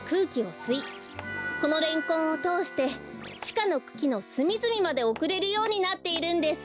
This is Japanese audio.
このレンコンをとおしてちかのくきのすみずみまでおくれるようになっているんです。